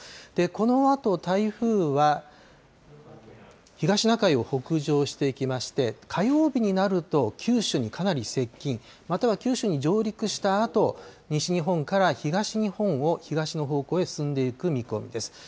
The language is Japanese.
このあと、台風は東シナ海を北上していきまして、火曜日になると、九州にかなり接近、または九州に上陸したあと、西日本から東日本を東の方向へ進んでいく見込みです。